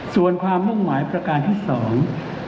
ส่วนความงไมประกาศของที่๒